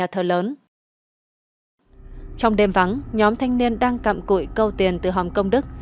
trong đêm vắng nhóm thanh niên đang cạm cụi câu tiền từ hòm công đức